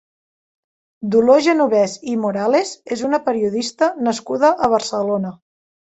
Dolors Genovès i Morales és una periodista nascuda a Barcelona.